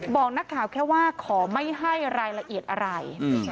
บอกนักข่าวแค่ว่าขอไม่ให้รายละเอียดอะไร